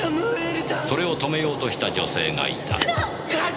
それを止めようとした女性がいた。